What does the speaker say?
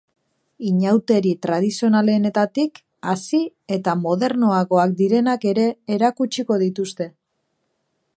Inauteri tradizionalenetatik hasi eta modernoagoak direnak ere erakutsiko dituzte.